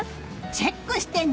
チェックしてね！